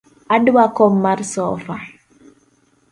Adwa kom mar sofa